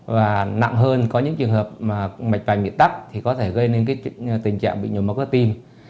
và nặng hơn có những trường hợp mà mạch vành bị tắt thì có thể gây nên cái tình trạng bị nhổ mất cơ tim